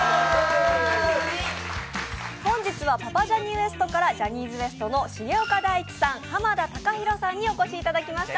本日は「パパジャニＷＥＳＴ」からジャニーズＷＥＳＴの重岡大毅さん濱田崇裕さんにお越しいただきました。